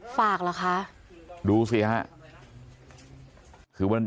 ฝากเหรอคะ